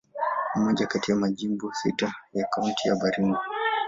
Ni moja kati ya majimbo sita ya Kaunti ya Baringo.